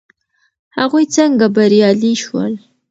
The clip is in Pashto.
هغوی څنګه بریالي شول.